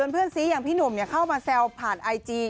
เพื่อนซีอย่างพี่หนุ่มเข้ามาแซวผ่านไอจี